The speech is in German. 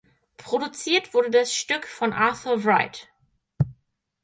Produziert wurde das Stück von Arthur Wright.